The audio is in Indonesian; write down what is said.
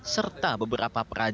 serta beberapa perjalanan